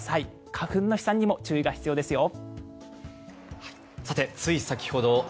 花粉の飛散にも注意が必要ですよ。